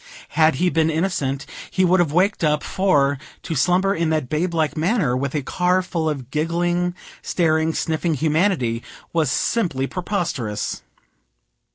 Had he been innocent, he would have waked up; for, to slumber in that babe like manner, with a car full of giggling, staring, sniffing humanity, was simply preposterous.